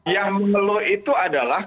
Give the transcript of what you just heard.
yang mengeluh itu adalah